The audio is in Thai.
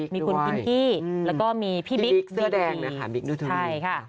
มีคุณพิงกี้แล้วก็มีพี่บิ๊กเสื้อแดงนะคะใช่ค่ะ